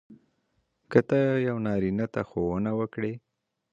که ته یو نارینه ته ښوونه وکړې.